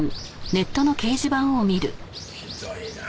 ひどいなあ。